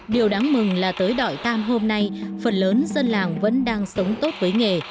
điều đáng mừng là tới đội tam hôm nay phần lớn dân làng vẫn đang sống tốt với nghề